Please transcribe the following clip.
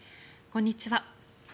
こんにちは。